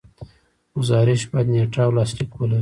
ګزارش باید نیټه او لاسلیک ولري.